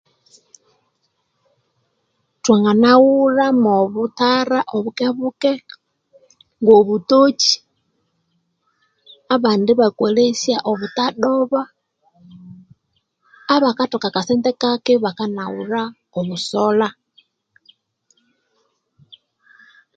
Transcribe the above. Thwanganaghulha mwo obutara obuke buke, ngo obutoki, abandi ibakolesya obutadoba, abakathoka akasente kake bakanaghulha obusola.